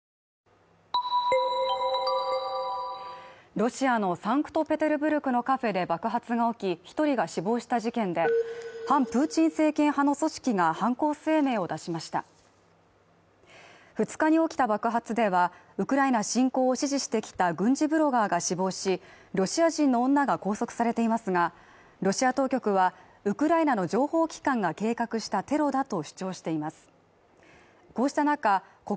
ロシアのサンクトペテルブルクのカフェで爆発が起き、１人が死亡した事件で、反プーチン政権派組織が犯行声明を出しました２日に起きた爆発では、ウクライナ侵攻を支持してきた軍事ブロガーが死亡し、ロシア人の女が拘束されていますが、ロシア当局はウクライナの情報機関が計画したテロだと主張しています。